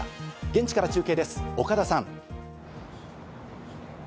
現地から中継です、岡田さん。